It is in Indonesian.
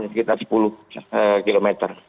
sekitar sepuluh km